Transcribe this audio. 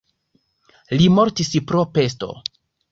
Li mortis pro pesto.